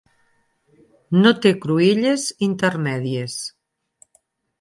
No té cruïlles intermèdies.